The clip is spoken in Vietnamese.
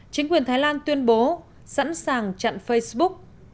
chính quyền thái lan tuyên bố sẵn sàng chặn facebook